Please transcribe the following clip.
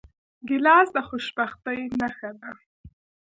ګیلاس د خوشبختۍ نښه ده.